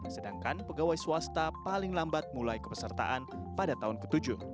sedangkan pegawai swasta paling lambat mulai kepesertaan pada tahun ke tujuh